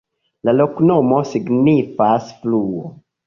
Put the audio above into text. La loknomo signifas: fluo.